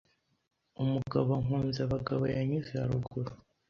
Umugabo nkunzabagabo yanyuze haruguru